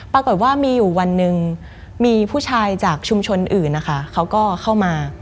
ปรากฏว่ามีอยู่วันหนึ่งมีผู้ชายจากชุมชนอื่นนะคะเขาก็เข้ามา